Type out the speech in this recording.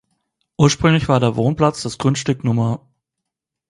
Ursprünglich war der Wohnplatz das Grundstück Nr.